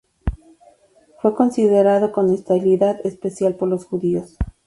Fue considerado con hostilidad especial por los Judíos.